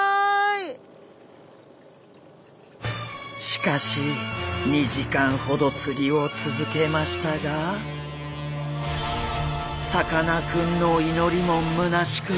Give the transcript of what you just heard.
しかし２時間ほどつりを続けましたがさかなクンのいのりもむなしく。